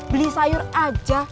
beli sayur aja